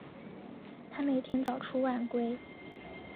他每天早出晚归